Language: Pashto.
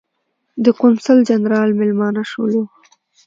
د قونسل جنرال مېلمانه شولو.